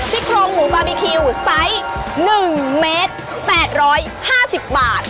ซี่โครงหมูบาร์บีคิวไซส์๑เมตร๘๕๐บาท